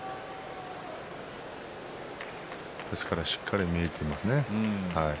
ですからしっかり見えていますね。